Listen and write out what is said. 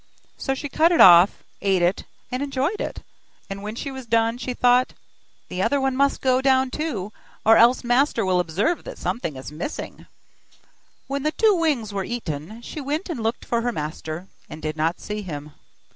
So she cut it off, ate it, and enjoyed it, and when she had done, she thought: 'The other must go down too, or else master will observe that something is missing.' When the two wings were eaten, she went and looked for her master, and did not see him.